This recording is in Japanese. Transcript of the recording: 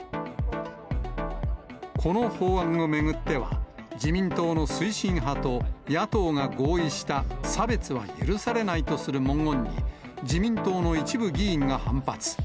この法案を巡っては、自民党の推進派と野党が合意した差別は許されないとする文言に、自民党の一部議員が反発。